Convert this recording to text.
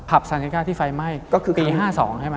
ผับสานิก้าที่ไฟไหม้ปี๑๙๕๒ใช่ไหม